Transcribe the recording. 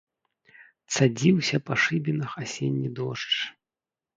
Цадзіўся па шыбінах асенні дождж.